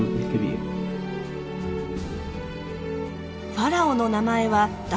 ファラオの名前はだ